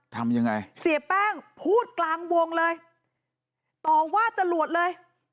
ทำยังไงเสียแป้งพูดกลางวงเลยต่อว่าจรวดเลย